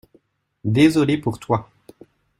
Désolé pour toi.